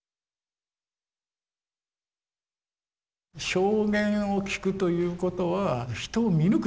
証言を聞くということは人を見抜く眼が必要だと。